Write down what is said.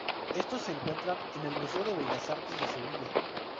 Estos se encuentran en el Museo de Bellas Artes de Sevilla.